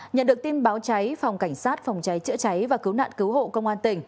nhận được tin báo cháy phòng cảnh sát phòng cháy chữa cháy và cứu nạn cứu hộ công an tỉnh